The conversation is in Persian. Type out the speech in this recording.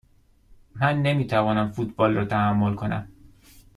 من نمی توانم فوتبال را تحمل کنم.